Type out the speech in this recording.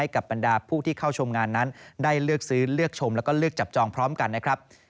กับบรรดาผู้ที่เข้าชมงานนั้นได้เลือกซื้อเลือกชมแล้วก็เลือกจับจองพร้อมกันนะครับ